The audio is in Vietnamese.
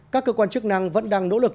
các cơ quan chức năng vẫn đang nỗ lực